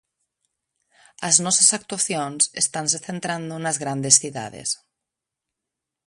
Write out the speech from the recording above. As nosas actuacións estanse centrando nas grandes cidades.